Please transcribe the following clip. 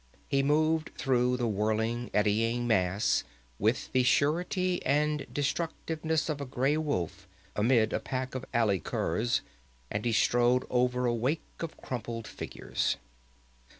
He moved through the whirling, eddying mass with the surety and destructiveness of a gray wolf amidst a pack of alley curs, and he strode over a wake of crumpled figures.